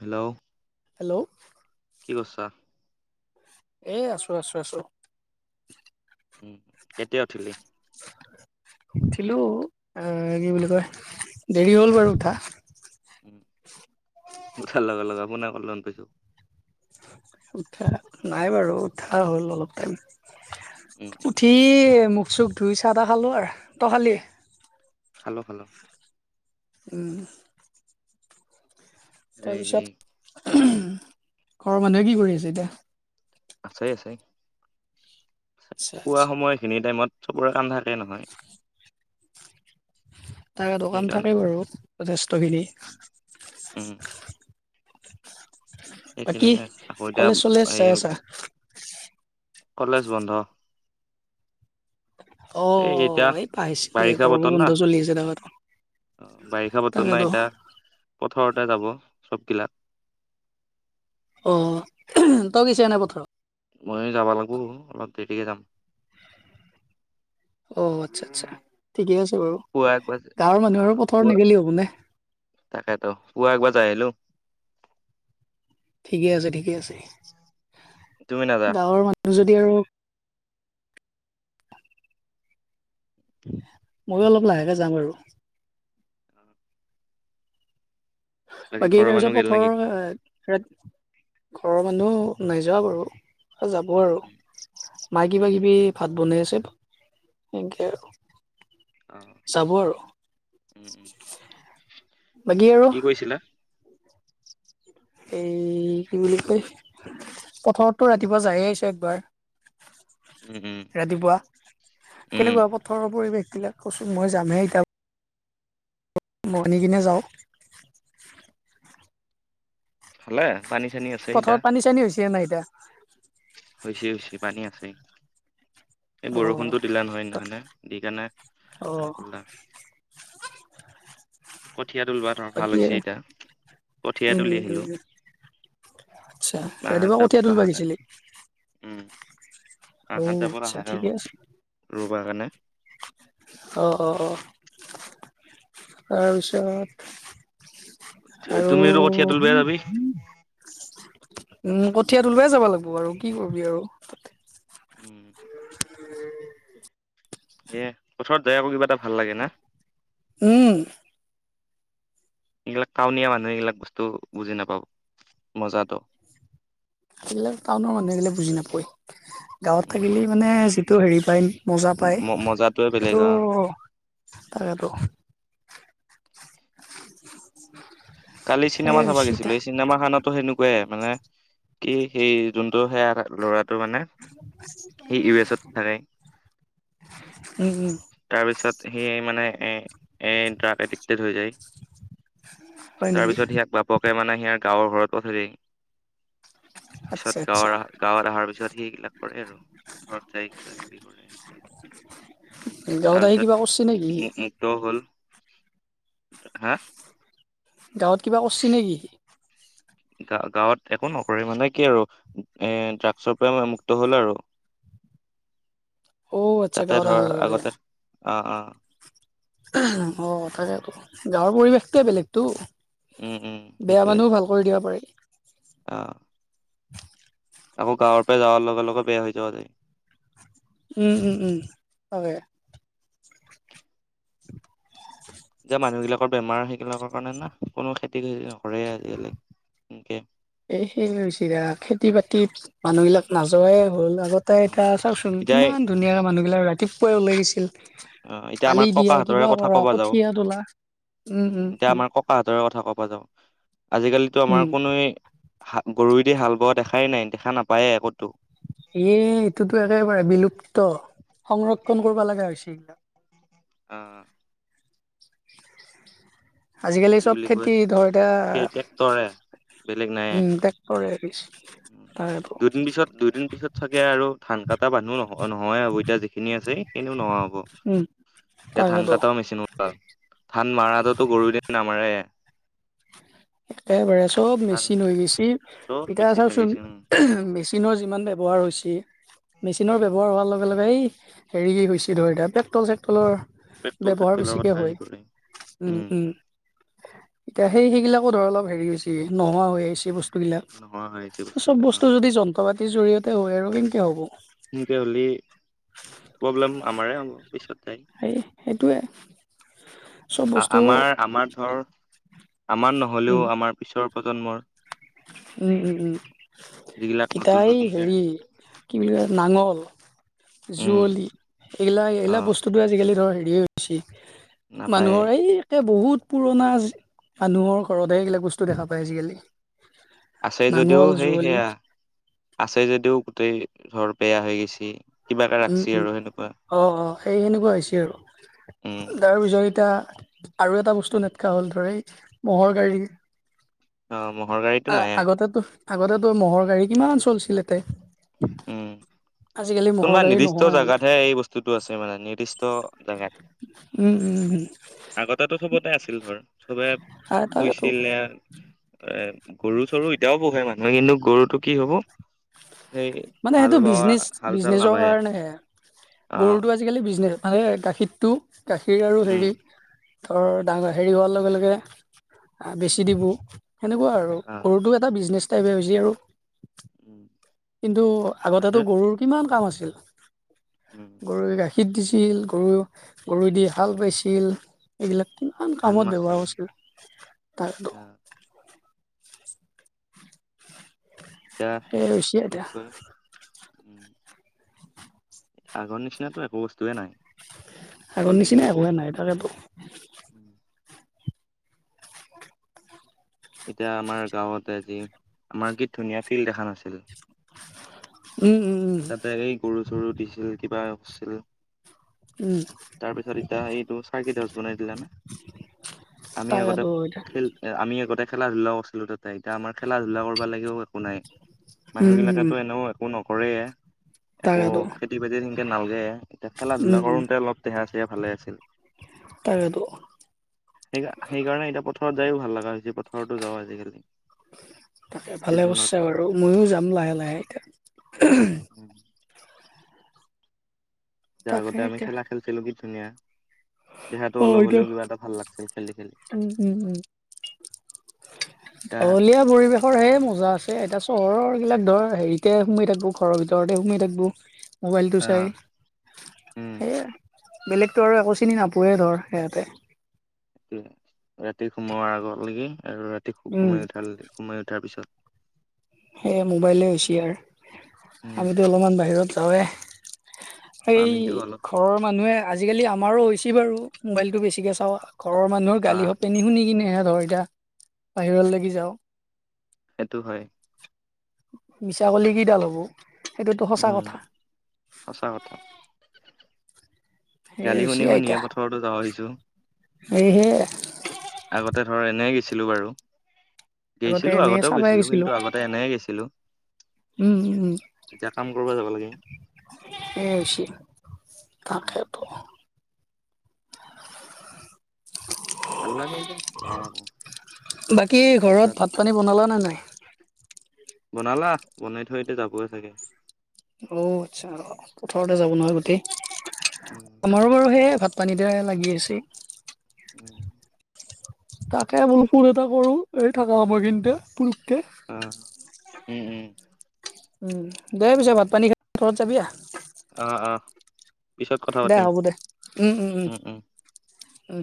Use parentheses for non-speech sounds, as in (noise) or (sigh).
Hello hello কি কৰিছা? এই আছো আছো আছো। উম, কেতিয়া উঠিলি? উঠিলো এহ কি বুলি কয় দেৰি হ'ল বাৰু উঠা। উঠাৰ লগে লগে ফোনে কল যেন পাইছো। উঠা নাই বাৰু উঠা হ'ল অলপ টাইম। উম, উম, উঠি মুখ চুখ ধুই চাহ তাহ খালোঁ আৰু ত খালি। খালো খালো। উম, এই তাৰপিছত ঘৰৰ মানুহে কি কৰি আছে এতিয়া? আছে আছে আচ্ছা পুৱা আচ্ছা সময় সেইখিনি টাইমত চবৰে কাম থাকে নহয়। তাকেটো কাম সেইকাৰণে থাকে বাৰু যথেষ্ট খিনি। উম, এইখিনিয়ে আকৌ এতিয়া কলেজ চলেজ এই চাই আছা কলেজ বন্ধ। অ এই এতিয়া অ এই পাইছিলোয়ে এই বাৰিষা গৰম বতৰ না বন্ধ চলি আছে নহয়। অ বাৰিষা বতৰ নাই এতিয়া পথাৰতে যাব চব বিলাক। অ তই গৈছে নাই পথাৰত। ময়ো যাব লাগব অলপ দেৰিকে যাম। অ আৎচ্ছা আৎচ্ছা ঠিকে আছে বাৰু পুৱা একবাৰ গাঁৱৰ মানুহ আৰু অ', পথাৰত পুৱা নেগেলে হ'ব নে। তাকেতো পুৱা একবাৰ যাই আহিলো। ঠিকে আছে ঠিকে আছে তুমি নাযা গাঁৱৰ মানুহ যদি আৰু (unintelligible) মইয়ো অলপ লাহেকে যাম আৰু। বাকী ঘৰৰ তাৰপিছত মানুহ গেল নেকি? পথাৰৰ এ ই ঘৰৰ মানুহ নাযোৱা বাৰু যাব আৰু। উম, মাই উম, কিবা উম, কিবি ভাত বনাই আছে সেনেকে আৰু। অঁ, যাব আৰু উম উম। বাকী আৰু। কি কৈছিলা এই কি বুলি কয় পথাৰততো ৰাতিপুৱা যায়ে আহিচো একবাৰ। উম উম ৰাতিপুৱা উম কেনেকুৱা পথাৰৰ পৰিৱেশ বিলাক। কচোন মই যামহে এতিয়া। মনি কিনে যাওঁ। খালে? পানী চানী আছে এতিয়া পথাৰত পানী চানী হৈছে নাই এতিয়া? হৈছে হৈছে পানী আছে। এই অ বৰষুণতো দিলে নহয় সেইদিনাখনে দি অ কেনে। কঠীয়া তুলিব ধৰা ভাল বাকী হৈছে এতিয়া কঠীয়া উম তুলি উম আহিলো। উম, আচ্ছা মাহত ৰাতিপুৱা যাব কঠীয়া তুলিব আহা কাৰণে আহিছিলি। উম মাহঁত যাব আচ্ছা নহয় আৰু ঠিকে আছে ৰুব কাৰণে। অ অ অ আৰামচে কৰা। আৰু তুমিতো কঠীয়া তুলিব যাবি উম, কঠিয়াত তুলবৈ যাব লাগিব আৰু কি কৰিবি আৰু। উম। এ পথাৰৰত যায় আকৌ কিবা এটা ভাল লাগে না। উম। এইবিলাক কাউনীয়া মানুহ এইবিলাক বস্তু বুজি নাপাব মজাতটো। টাউনৰ মানুহেগিলে বুজি নাপায় গাঁৱত উম থাকিলেই মানে যিটো হেৰি পায়। মজা পায় ম মজাটোৱে বেলেগ সেইটো অ তাকেতটো। কালি সেই চিনেমা চাব গৈছিলো চিতা এই চিনেমা খনতো সেনেকুৱা মানে কি সেই যোনটো সেয়া ল'ৰা মানে সি ইউ এছত থাকে। উম উম তাৰ পিছত সি মানে এ এ ড্ৰাগ এডিক্টেড হৈ যায়। হয় তাৰ নেকি পিছত সিয়াক বাপকে মানে সিয়াৰ গাঁৱৰ ঘৰত পঠাই দি। আচ্ছা তাৰপিছত আচ্ছা গাঁৱৰ অহা গাঁৱত অহাৰ পিছত সেই গিলাক কৰে আৰু পথাৰত যাই কিবা কিবি কৰে এনেকে গাঁৱত আহি কিবা কৰিছে নেকি সি? ত হ'ল হা? গাঁৱত কিবা কৰিছে নেকি সি? গা গাঁৱত একো নকৰে মানে কি আৰু এ ড্ৰাগছৰ পৰা মুক্ত হ'ল আৰু। অ আচ্ছা তাতে গাঁৱত অহাৰ ধৰ লগে লগে আগতে অ অ। অ তাকেইেতো গাঁৱৰ পৰিৱেশটোৱে বেলেগতো উম উম বেয়া মানুহও ভাল কৰি দিব পাৰি। অঁ। আকৌ গাঁৱৰ পৰা যাৱাৰ লগে লগে বেয়া হৈ যোৱা যায় উম উম উম হয় যে মানুহ বিলাকৰ বেমাৰ সেইগিলাকৰ কাৰণে না কোনো খেতি খেতি নকৰে আজি-কালি সেনেকে এই সেই হৈছে (unintelligible) খেতি বাতিত মানুহ বিলাক নাযোৱাই হ'ল আগত তাই উম এতা চাওঁকচোন এতিয়া কিমান ধুনীয়া মানুহগিলাক ৰাতিপুৱাই ওলাই গৈছিল। অ এতিয়া আমাৰ আলি দিয়া ককাহঁতৰে কিবা কথা কৰা কবা যাওঁ কঠীয়া তোলা উম উম উম। আ হাতৰ কথা কবা যাওঁ আজি-কালিটো আমাৰ উম কোনোৱে হা গৰুৱেদি হাল বোৱা দেখাই নাই দেখা নাপায়ে কতো এ এইটোতো একেবাৰে বিলুপ্ত সংৰক্ষণ কৰিব লগা হৈছে এইবিলাক। অ আজি-কালি চব খেতি ধৰ এতিয়া তৰে উ টেক্টৰেইচ তাৰে- দুদিন পিছত দুদিন পিছত চাগে আৰু ধান কাটা মানুহ নহ নহয় হ'ব এতিয়া যিখিনি আছে সেইখিনিও নহোৱা হ'ব। উম এতিয়া ধান তাকেতো কাটাও মেচিন ওলাল ধান মাৰটোতো গৰু দি নামাৰে। একেবাৰে চব ধান মেচিন হৈ গৈছে চব এতিয়া মেচিন চাওকচোন লাগিছে উম মেচিনৰ যিমান ব্যৱহাৰ হৈছে মেচিনৰ উম ব্যৱহাৰ হোৱাৰ লগে লগে এই হেৰি কি গৈছে ধৰ এতিয়া পেক্ট'ল চেকট্ৰলৰ পেট্ৰল ব্যৱহাৰ চেট্ৰলৰ বেছিকে কথা আহি হয় পৰে উম উম। এতিয়া সেই সেই গিলাকো ধৰ অলপ হেৰি হৈছে নোহোৱা হৈ আহিছে। বস্তুবিলাক নোহোৱা হৈ আহিছে চব বস্তুবিলাক অ বস্তু যদি যন্ত্ৰ পাতিৰ জৰিয়তে হয় আৰু কেনেকে হ'ব। সেনেকে হ'লে প্ৰব্লেম আমাৰে হ'ব পিছত তাই সেই সেইটোৱে। চব আ বস্তু আমাৰ আমাৰ ধৰ আমাৰ উম নহলেও আমাৰ পিছৰ প্ৰজন্মৰ উম উম উম যিগিলাক ইটা নতুন এই নতুনকে হেৰি কি বুলি কয় নাঙল উম যুঁৱলি এইগিলা অ এইগিলা বস্তু- টোতো আজি-কালি ধৰ হেৰিয়ে হৈছে নাপায়ে মানুহৰ এই এতিয়া বহুত পুৰণা মানুহৰ ঘৰতহে এইগিলাক বস্তু দেখা পায় আজি-কালি। আছে যদিও নাঙল সেই যুঁৱলি সেয়া আছে যদিও গোটেই ধৰ বেয়া হৈ গৈছে। উম উম অ অ সেই সেনেকুৱা হৈছে উম আৰু তাৰ পিছত এতিয়া আৰু এটা বস্তু নেটকা হ'ল ধৰ এই ম'হৰ গাড়ী অ ম'হৰ গাড়ীটো আ নাই আগতে তো আগতে তো মহ'ৰ গাড়ী কিমান চলিছিল এতে উম আজি-কালি মহ কোনোবা নিৰ্দিষ্ট জেগাতহে এই বস্তুটো আছে মানে নিৰ্দিষ্ট জাগাত। উম উম উম আগতেতো চবতে আছিল ধৰ চবে আৰু তাকেতো পুইছিলে এ গৰু চৰু এতিয়াও পোহে মানুহে কিন্তু গৰুটো কি হ'ব সেই মানে হাল সেইটো বাৱা বিজনেছ হাল চাল বিজনেচৰ নাবায়ে কাৰণেহে অ গৰুটো আজি- আজি-কালি বিজনেছ মানে গাখীৰটো গাখীৰ আৰু উম হেৰি ধৰ ডাঙৰ হেৰি হোৱাৰ লগে লগে উম বেচি দিবো সেনেকুৱা আৰু অ গৰুটো এ- টা বিজনেছ টাইপে হৈছে আৰু। উম কিন্তু আগতে তো মানুহে গৰুৰ কিমান কাম আছিল উম গৰুৰ গা- খীত দিছিল গৰু গৰুৱে দি হাল বাইছিল। এইগিলাক কিমান ধান কামত ব্যৱহাৰ নাছিল হৈছিল। তাৰ আহ এতিয়া, সেই হৈছে কি এতিয়া কৰিম? উম! আগৰ নিচিনাতো একো বস্তুৱেই নাই। আগৰ ক'লে কি নিচিনা হ'ব একোৱে নাই তাকেইটো। এতিয়া আমাৰ গাঁৱত আজি আমাৰ কি ধুনীয়া ফিল্ড এখন আছিল। উম, উম, উম তাতে এই গৰু, চৰু দিছিল, কিবা হৈছিল উম, তাৰ পিছত এতিয়া এইটো চাৰকিডছ বনাই দিলান! আমি আগতে তাকেতো এতিয়া খেল এ আমি আগতে খেলা-ধূলাও কৰিছিলো তাতে, এতিয়া আমাৰ খেলা-ধূলা কৰিবলেকেও একো নাই। মানুহ উম উম উম বিলাকেতো এনেও একো নকৰেই। আকৌ তাকেতো খেতি-বাতি সেনেকে নালগে, এতিয়া খেলা-ধূলা উম কৰোতে অলপ দেহা-চেহা ভালে আছিল। তাকেটো। সেই সেইকাৰণে এতিয়া পথাৰত যায়ও ভাল লগা হৈছে। পথাৰতো যাওঁ আজিকালি তাকে, ভালে ছিজনত কৰিছা বাৰু। আৰু ময়ো যাম লাহে লাহে এতিয়া। উম! এতিয়া তাকে আগতে আমি এতিয়া খেলা খেলছিলো কি ধুনীয়া। দেহাটো অ অলপ এতিয়া হলেও কিবা এটা ভাল লাগছিল খেলি, খেলি। উম উম উম (unintelligible) এতিয়া পৰিৱেশৰ হে মজা আছে, এতিয়া চহৰৰ বিলাক ধৰ হেৰিতে সোমাই থাকব ঘৰৰ ভিতৰতে সোমাই থাকব। মোবাইলটো চাই, আহ উম সেয়াই বেলেগটো আৰু একো চিনি নাপায়। সেয়ে ধৰ সিহঁতে ৰাতি সোমোৱাৰ আগলকে, আৰু ৰা দেখোঁ উম, সোমাই উঠাল, সোমাই উঠাৰ পিছত। সেয়ে মোবাইলেই হৈছে আৰু। উম আমিতো অলপমান বাহিৰত যাওঁৱেই। সেই আমিতো অলপ ঘৰৰ মানুহে-আজিকালি আমাৰো হৈছে বাৰু মোবাইলটো বেছিকৈ চাওঁ, ঘৰৰ মানুহেও আহ গালি সপে শুনি, শুনি কিনেহে ধৰ এতিয়া বাহিৰৰ লেকি যাওঁ। সেইটো হয়। মিছাকলে কিডাল হ'ব। সেইটোতো সঁচা উম, কথা। সঁচা কথা। সেই গালি হৈছে শুনি, আইতা, শুনিয়ে পথাৰতো যৱা হৈছোঁ। এই সেইয়া আগতে ধৰ, এনে গেইছিলো বাৰু! আগতে গেইছিলো এনেই আগতেও চাবাই গৈছিলো গৈছিলোঁ। কিন্তু আগত এনেই গেইছিলোঁ। উম, উম, কৰিব যাব লাগে এই হেইছে, উম তাকেতো। ভাল লাগে যে, যাই আহো। বাকী, ঘৰত ভাত-পানী বনালা নে নাই? বনালা, বনাই থৈ এতিয়া যাবই চাগে। অ আচ্ছা, পথাৰতে যাব নহয় গোটেই। উম আমাৰো বাৰু সেয়ে ভাত পানীতে লাগি আছে। উম! তাকে বোলো ফোন এটা কৰো, এনে থাকা সময়খিনিতে। অ উম উম কি? দে পিচে ভাত পানী খাই ঘৰত যাবি আহহ। অ অ পিছত কথা দে পাতিম হ'ব দে। উম উম উম।